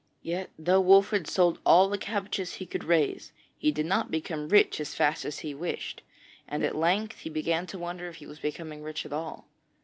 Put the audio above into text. Yet, though Wolfert sold all the cabbages he could raise, he did not become rich as fast as he wished, and at length he began to wonder if he was becoming rich at all.